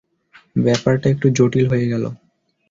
ব্যাপারটা একটু জটিল হয়ে গেল।